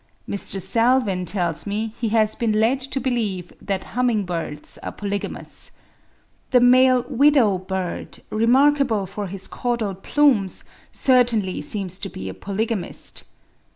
Mr. Salvin tells me he has been led to believe that humming birds are polygamous. The male widow bird, remarkable for his caudal plumes, certainly seems to be a polygamist.